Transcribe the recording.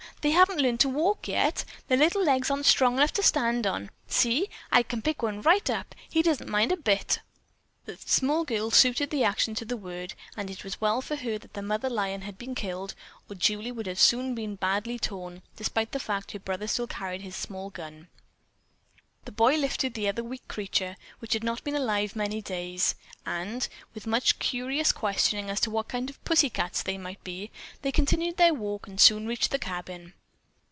They haven't learned to walk yet. Their little legs aren't strong enough to stand on. See, I can pick one right up. He doesn't seem to mind a bit." The small girl suited the action to the word, and it was well for her that the mother lion had been killed, or Julie would soon have been badly torn, despite the fact that her brother still carried his small gun. The boy had lifted the other weak creature, which had not been alive many days, and, with much curious questioning as to what kind of "pussy cats" they might be, they continued their walk and soon reached the cabin.